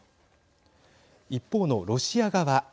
一方のロシア側。